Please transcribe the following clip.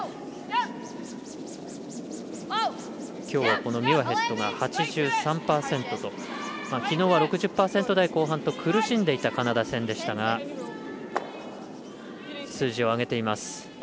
きょう、ミュアヘッドが８３％ときのうは６０％台後半と苦しんでいたカナダ戦でしたが数字を上げています。